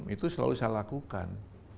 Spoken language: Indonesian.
itu selalu saya lakukan